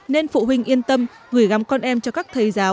nên phụ huynh yên tâm gửi gắm con em cho các thầy giáo cô giáo